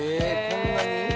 こんなに？